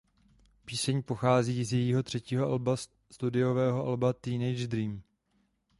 Píseň pochází z jejího třetího alba studiového alba Teenage Dream.